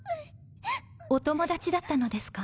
お友達だったのですか？